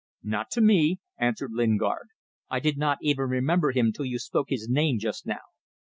"Not to me," answered Lingard. "I did not even remember him till you spoke his name just now.